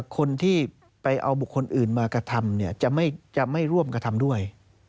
คนที่ไปเอาบุคคลอื่นมากระทำจะไม่ร่วมกระทำด้วย